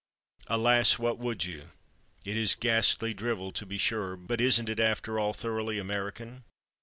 Alas, what would you? It is ghastly drivel, to be sure, but isn't it, after all, thoroughly American?